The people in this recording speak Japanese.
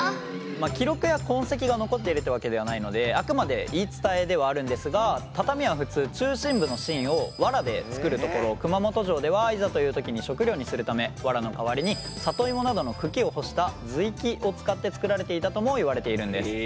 記録や痕跡が残っているってわけではないのであくまで言い伝えではあるんですが畳は普通中心部の芯を藁で作るところを熊本城ではいざという時に食料にするため藁の代わりに里芋などの茎を干した芋茎を使って作られていたともいわれているんです。